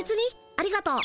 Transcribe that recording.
ありがとう。